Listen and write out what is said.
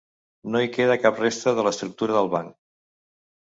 No hi queda cap resta de l'estructura del banc.